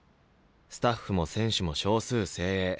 スタッフも選手も少数精鋭。